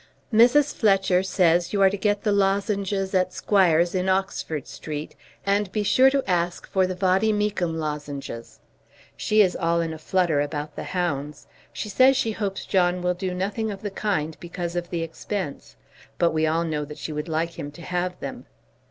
Mrs. Fletcher says you are to get the lozenges at Squire's in Oxford Street, and be sure to ask for the Vade mecum lozenges. She is all in a flutter about the hounds. She says she hopes John will do nothing of the kind because of the expense; but we all know that she would like him to have them.